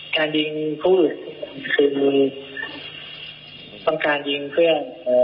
การยิงพูดคือต้องการยิงเพื่อน